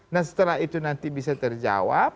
nah setelah itu nanti bisa terjawab